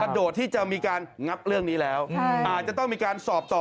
โดดที่จะมีการงับเรื่องนี้แล้วอาจจะต้องมีการสอบต่อ